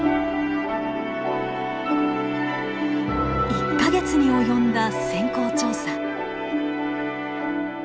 １か月に及んだ潜航調査。